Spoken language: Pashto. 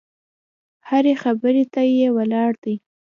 هرې خبرې ته دې ولاړ دي.